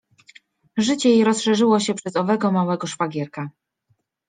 Życie jej rozszerzyło się przez owego małego szwagierka.